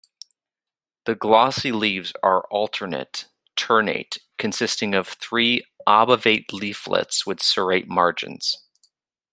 The glossy leaves are alternate, ternate, consisting of three obovate leaflets with serrate margins.